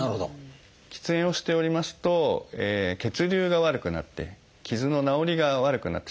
喫煙をしておりますと血流が悪くなって傷の治りが悪くなってしまうんですね。